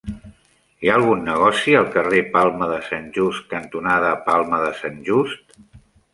Hi ha algun negoci al carrer Palma de Sant Just cantonada Palma de Sant Just?